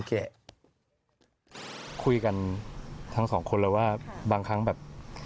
คุยกันทั้งสองคนแล้วว่าบางครั้งแบบ